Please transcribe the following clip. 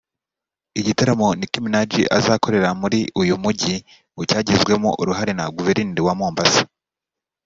Igitaramo Nicki Minaj azakorera muri uyu mujyi ngo cyagizwemo uruhare na Guverineri wa Mombasa